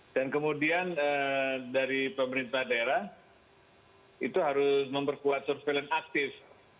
dan kemudian dari pemerintah daerah itu harus memperkuat surveillance aktif